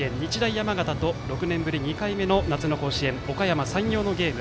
山形と６年ぶり２回目の夏の甲子園おかやま山陽のゲーム。